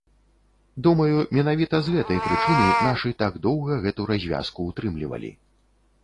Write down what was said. Думаю, менавіта з гэтай прычыны нашы так доўга гэту развязку ўтрымлівалі.